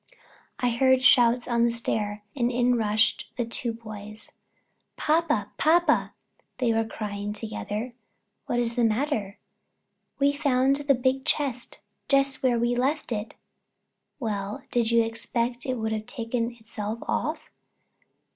I heard shouts on the stair, and in rushed the two boys. "Papa, papa!" they were crying together. "What is the matter?" "We've found the big chest just where we left it." "Well, did you expect it would have taken itself off?"